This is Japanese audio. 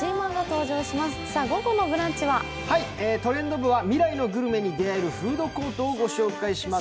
「トレンド部」は未来のグルメに出会えるフードコートをご紹介します。